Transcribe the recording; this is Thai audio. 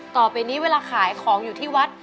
ต่อไปนี้เวลาขายของอยู่ที่วัด